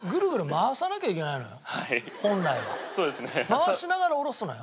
回しながらおろすのよ。